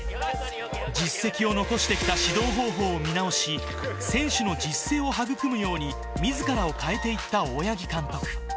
実績を残してきた指導方法を見直し、選手の自主性を育むようにみずからを変えていった大八木監督。